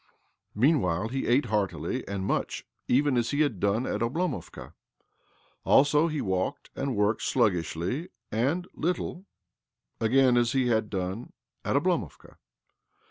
Meanwhile he ate heartily and much, even as he had done at Oblomovka. Also, he walked and worked sluggishly and little — again, as he had done at Oblomovka